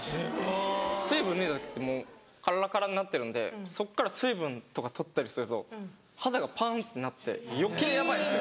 水分抜いた時ってもうカラカラになってるんでそっから水分とか取ったりすると肌がパンってなって余計ヤバいですよ。